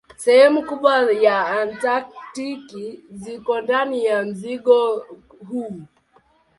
Sehemu kubwa ya Antaktiki ziko ndani ya mzingo huu.